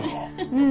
うん。